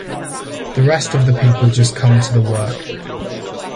The rest of the people just come to the work.